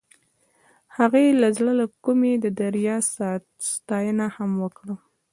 هغې د زړه له کومې د دریاب ستاینه هم وکړه.